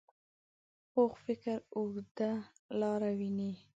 پوخ فکر اوږده لاره ویني